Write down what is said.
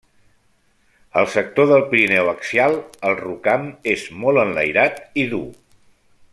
Al sector del Pirineu axial el rocam és molt enlairat i dur.